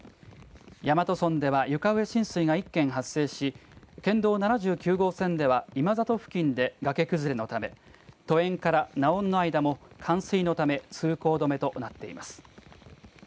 大和村では床上浸水が１件発生し県道７９号線では今里付近で崖崩れのため戸円から名音の間も冠水のため通行止めとなっています。